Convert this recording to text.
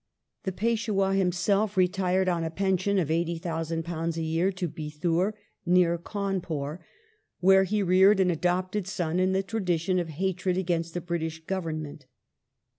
The Peshwa himself retired on a pension of £80,000 a year to Bithoor, near Cawnpiir, where he reared an adopted son in the tradition of hatred against the Biitish Government.